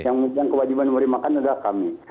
yang kewajiban memberi makan adalah kami